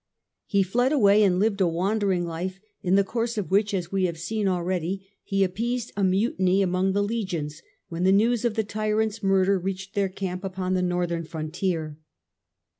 He fled away and lived a wandering life, in the course of which, as we have seen already (p. 6), he appeased a mutiny among the legions when the news of die tyranfls murder reached their camp upon the northern frontier.